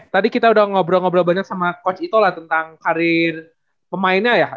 tadi kita udah ngobrol ngobrol banyak sama coach ito lah tentang karir pemainnya ya